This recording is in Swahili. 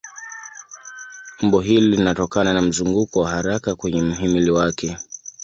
Umbo hili linatokana na mzunguko wa haraka kwenye mhimili wake.